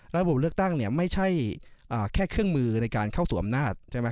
ระบบเลือกตั้งเนี่ยไม่ใช่แค่เครื่องมือในการเข้าสู่อำนาจใช่ไหม